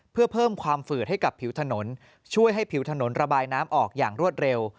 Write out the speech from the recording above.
เพื่อเพิ่มความฝืดให้กับผิวถนนช่วยให้ผิวถนนระบายน้ำออกอย่างรวดเร็ว